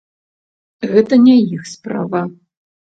Гэта не іх справа!